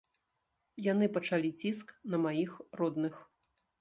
Яны пачалі ціск на маіх родных.